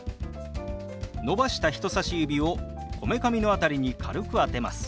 伸ばした人さし指をこめかみの辺りに軽く当てます。